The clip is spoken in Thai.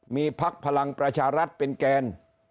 มีพักพลังประชารัฐเป็นแกน